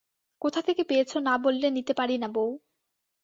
কোথা থেকে পেয়েছ না বললে নিতে পারি না বৌ।